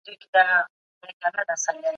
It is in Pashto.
تخليقي ادب ادیبان رامنځته کوي.